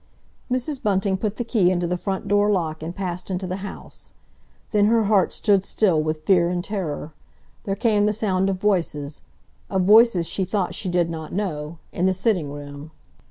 Mrs. Bunting put the key into the front door lock and passed into the house. Then her heart stood still with fear and terror. There came the sound of voices—of voices she thought she did not know—in the sitting room.